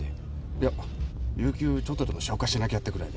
いや有休ちょっとでも消化しなきゃってぐらいで。